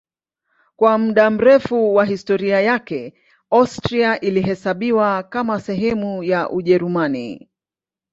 Kwa muda mrefu wa historia yake Austria ilihesabiwa kama sehemu ya Ujerumani.